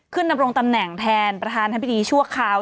ขึ้นดำรงตำแหน่งแทนประธานอภิษฐีชั่วข่าว